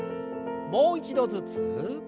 もう一度ずつ。